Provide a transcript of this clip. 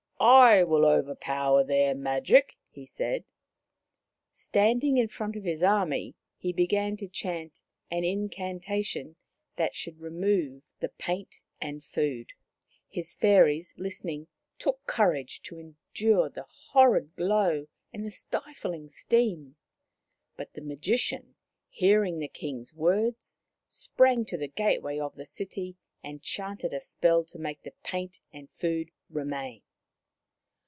"I will overpower their magic !" he said. Standing in front of his army, he began to chant an incantation that should remove the 78 Maoriland Fairy Tales paint and food. His fairies, listening, took cour age to endure the horrid glow and stifling steam. But the Magician, hearing the King's words, sprang to the gateway of the city and chanted a spell to make the paint and food remain.